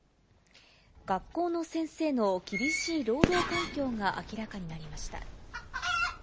学校の先生の厳しい労働環境が明らかになりました。